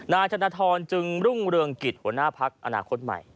นายธนทรจึงรุ่งเรืองกิจหัวหน้าพักอนาคตใหม่